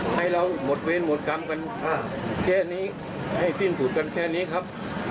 ให้เราหมดเวรหมดกรรมกันแค่นี้ให้สิ้นสุดกันแค่นี้ครับ